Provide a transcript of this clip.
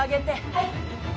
はい。